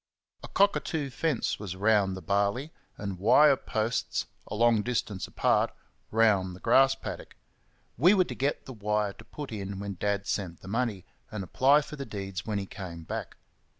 A cockatoo fence was round the barley; and wire posts, a long distance apart, round the grass paddock. We were to get the wire to put in when Dad sent the money; and apply for the deeds when he came back.